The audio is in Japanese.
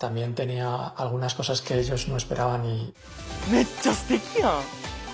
めっちゃすてきやん。